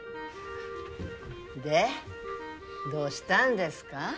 でどうしたんですか？